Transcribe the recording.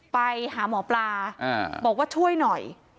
ไปหาหมอปลาบอกว่าช่วยหน่อย